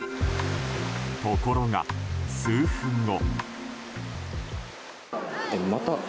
ところが、数分後。